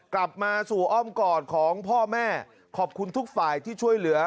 กลับมาสู่อ้อมกอดของพ่อแม่ขอบคุณทุกฝ่ายที่ช่วยเหลือ